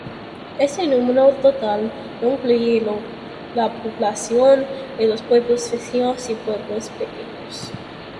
Este número total no incluye la población de los pueblos vecinos y pueblos pequeños.